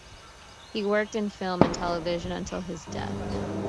He worked in film and television until his death.